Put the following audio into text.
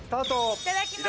・いただきます。